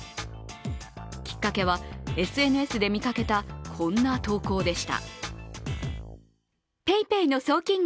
きっかけは、ＳＮＳで見かけたこんな投稿でした。